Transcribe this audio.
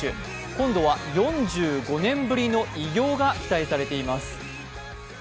今度は４５年ぶりの偉業が期待されています。